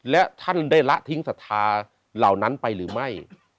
และท่านได้ละทิ้งศรัทธาเหล่านั้นไปหรือไม่